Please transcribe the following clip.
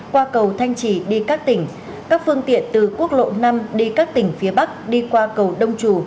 qua cầu thanh trì đi các tỉnh các phương tiện từ quốc lộ năm đi các tỉnh phía bắc đi qua cầu đông trù